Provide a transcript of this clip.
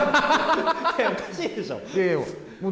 おかしいでしょう。